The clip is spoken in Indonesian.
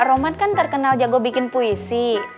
rohmat kan terkenal jago bikin puisi